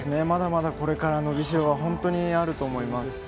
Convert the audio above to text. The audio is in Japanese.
まだまだこれから伸びしろ本当にあると思います。